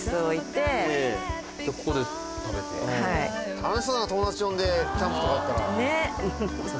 楽しそうだな友達呼んでキャンプとかやったら。ねぇ！